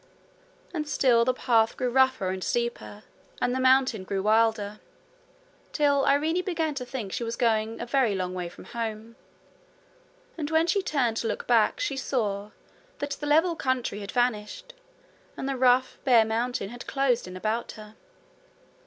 And still the path grew rougher and steeper, and the mountain grew wilder, till Irene began to think she was going a very long way from home; and when she turned to look back she saw that the level country had vanished and the rough bare mountain had closed in about her.